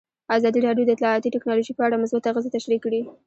ازادي راډیو د اطلاعاتی تکنالوژي په اړه مثبت اغېزې تشریح کړي.